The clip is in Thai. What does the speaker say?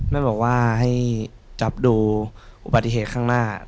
แม่บอกว่าให้จับดูอุบัติเหตุข้างหน้า